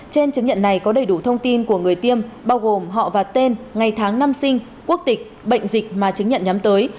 trên chứng nhận này có đầy đủ thông tin của người tiêm bao gồm họ và tên ngày tháng năm sinh quốc tịch bệnh dịch mà chứng nhận nhắm tới